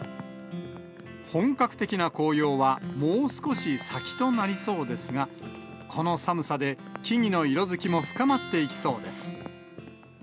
本格的な紅葉は、もう少し先となりそうですが、この寒さで木々の色づきも深まっていきそうです。